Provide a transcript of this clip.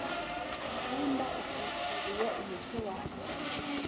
Umwenda utwikiriye umutwe wanjye